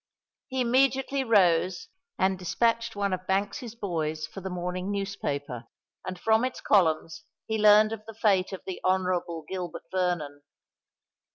He immediately rose and despatched one of Banks's boys for the morning newspaper; and from its columns he learnt the fate of the Honourable Gilbert Vernon.